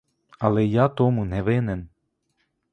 Але я тому не винен!